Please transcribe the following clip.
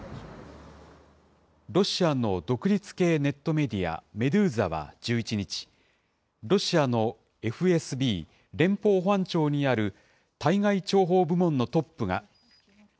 ロシアの独立系ネットメディア、メドゥーザは１１日、ロシアのＦＳＢ・連邦保安庁にある対外諜報部門のトップが。